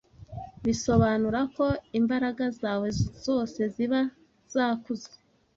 bisobanura ko imbaraga zawe zose ziba zakuze,